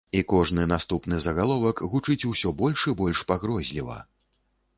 І кожны наступны загаловак гучыць усё больш і больш пагрозліва.